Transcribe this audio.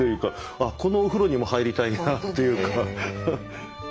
あっこのお風呂にも入りたいなというか。